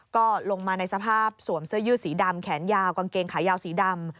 ก็ลงมาในสภาพสวมเสื้อยืดสีดำแขนยาวกางเกงขายาวสีดำ